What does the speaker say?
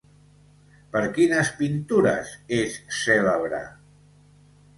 Per quines pintures és cèlebre?